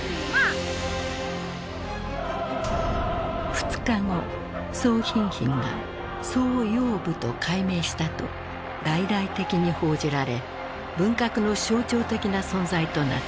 ２日後宋彬彬が「宋要武」と改名したと大々的に報じられ文革の象徴的な存在となった。